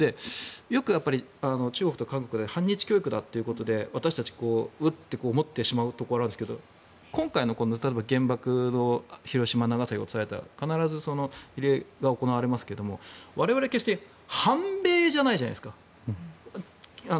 よく中国と韓国で反日教育だということで私たち、ウッと思ってしまうことがありますが今回、原爆が広島と長崎に落とされたということで必ず慰霊が行われますが我々決して反米じゃないじゃないですか。